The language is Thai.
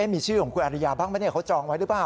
มีชื่อของคุณอริยาบ้างไหมเขาจองไว้หรือเปล่า